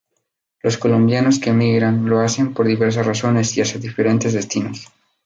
Los colombianos que emigran lo hacen por diversas razones y hacia diferentes destinos.